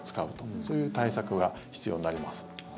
そういう対策が必要になります。